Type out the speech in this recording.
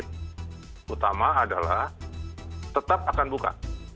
prinsip utama adalah tetap akan buka